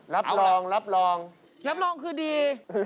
ในรอบแรกนี้